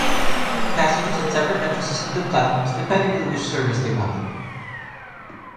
Passengers had separate entrances to the platforms depending on which service they wanted.